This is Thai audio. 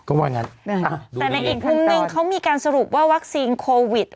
แต่ในอีกมุมนึงเขามีการสรุปว่าวัคซีนโควิด